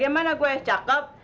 bagaimana gue cakep